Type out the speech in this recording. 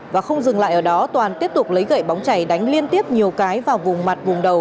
và không dừng lại ở đó toàn tiếp tục lấy gậy bóng chảy đánh liên tiếp nhiều cái vào vùng mặt vùng đầu